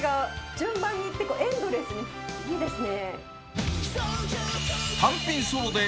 順番にいって、エンドレスにいいですね。